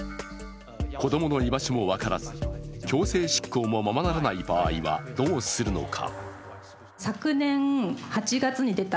子供の居場所も分からず、強制執行もままならない場合はどうするのか。